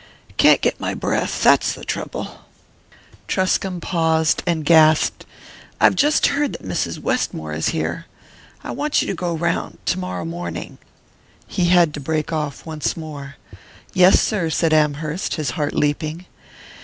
"Can't get my breath that's the trouble." Truscomb paused and gasped. "I've just heard that Mrs. Westmore is here and I want you to go round tomorrow morning " He had to break off once more. "Yes, sir," said Amherst, his heart leaping.